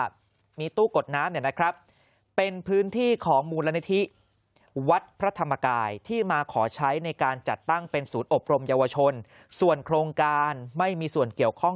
เป็นสูตรอบรมเยาวชนส่วนโครงการไม่มีส่วนเกี่ยวข้อง